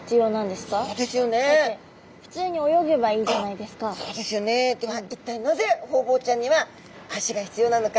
では一体なぜホウボウちゃんには足が必要なのか。